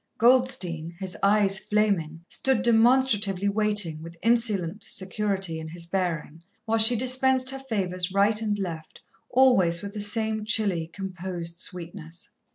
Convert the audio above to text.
Goldstein, his eyes flaming, stood demonstratively waiting, with insolent security in his bearing, while she dispensed her favours right and left, always with the same chilly, composed sweetness.